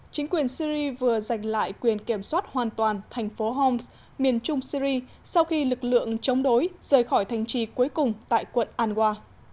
chính quyền syri vừa giành lại quyền kiểm soát hoàn toàn thành phố homes miền trung syri sau khi lực lượng chống đối rời khỏi thành trì cuối cùng tại quận anwa